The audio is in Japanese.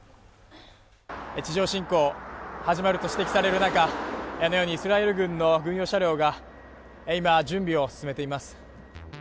地上侵攻、始まると指摘される中、あのようにイスラエル軍の軍用車両が今、準備を進めています。